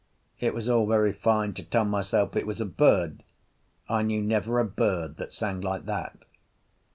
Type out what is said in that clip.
It was all very fine to tell myself it was a bird; I knew never a bird that sang like that.